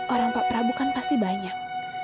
orang pak prabu kan pasti banyak